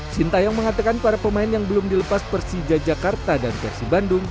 sintayong mengatakan para pemain yang belum dilepas persija jakarta dan persib bandung